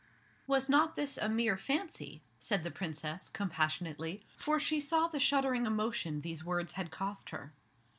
"Was not this a mere fancy?" said the Princess, compassionately, for she saw the shuddering emotion these words had cost her.